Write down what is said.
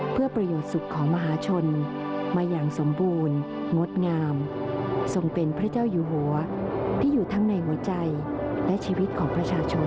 เพื่อประโยชน์สุขของมหาชนมาอย่างสมบูรณ์งดงามทรงเป็นพระเจ้าอยู่หัวที่อยู่ทั้งในหัวใจและชีวิตของประชาชน